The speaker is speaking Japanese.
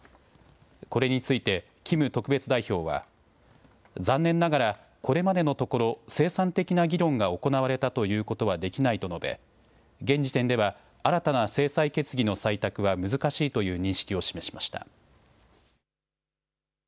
これについてキム特別代表は残念ながら、これまでのところ生産的な議論が行われたと言うことはできないと述べ、現時点では新たな制裁決議の採択は難しいという認識を示しました。